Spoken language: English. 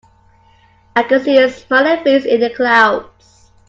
I can see a smiling face in the clouds.